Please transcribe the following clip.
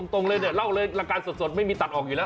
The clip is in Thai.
ตรงเลยเนี่ยเล่าเลยรายการสดไม่มีตัดออกอยู่แล้ว